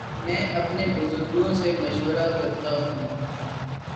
میں اپنے بزرگوں سے مشورہ کرتا ہوں۔